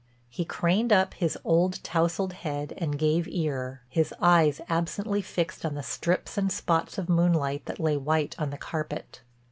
He craned up his old tousled head and gave ear, his eyes absently fixed on the strips and spots of moonlight that lay white on the carpet.